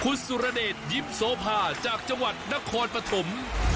คุณสุรเดชยิปโสภาจากจังหวัดนครปฐม